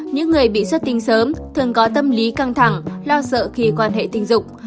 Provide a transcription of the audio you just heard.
những người bị xuất tinh sớm thường có tâm lý căng thẳng lo sợ khi quan hệ tình dục